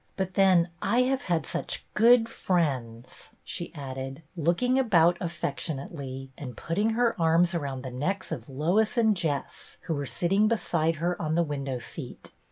But then, I have had such good friends," she added, looking about affectionately, and putting her arms around the necks of Lois and Jess, who were sitting beside her on the window seat.